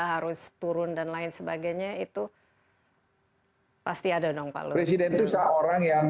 harus turun dan lain sebagainya itu pasti ada dong pak luhut